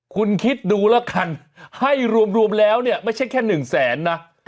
คุณคิดดูแล้วกันให้รวมแล้วเนี่ยไม่ใช่แค่๑แสนนะ